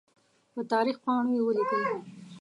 په تاریخ پاڼو یې ولیکل.